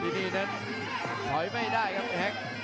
ที่นี่นั้นเผยไม่ได้ครับแฮค